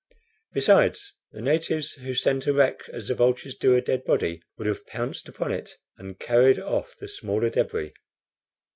Besides, the natives who scent a wreck as the vultures do a dead body, would have pounced upon it and carried off the smaller DEBRIS.